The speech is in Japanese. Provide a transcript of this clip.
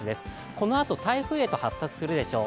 このあと台風へ発達するでしょう。